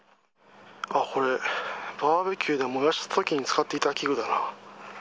これ、バーベキューで燃やすときに使っていた器具だな。